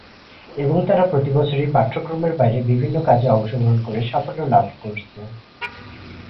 এবং তারা প্রতিবছরই পাঠ্যক্রমের বাইরের বিভিন্ন কাজে অংশগ্রহণ করে সাফল্য লাভ করছে।